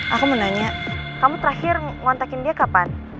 aku mau nanya kamu terakhir ngontakin dia kapan